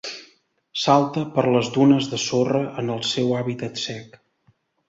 Salta per les dunes de sorra en el seu hàbitat sec.